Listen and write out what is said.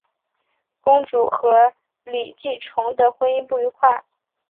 公主和李继崇的婚姻不愉快。